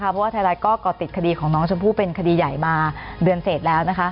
เพราะว่าไทยรัฐก็ก่อติดคดีของน้องชมพู่เป็นคดีใหญ่มาเดือนเสร็จแล้ว